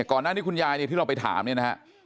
ก่อนหน้านี้คุณยายเนี่ยที่เราไปถามเนี่ยนะฮะ